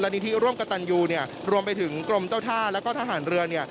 นิธิร่วมกับตันยูรวมไปถึงกรมเจ้าท่าแล้วก็ทหารเรือ